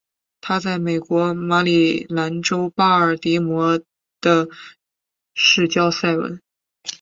她在美国马里兰州巴尔的摩的市郊塞文。